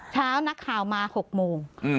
เช้านักข่าวมา๖โมง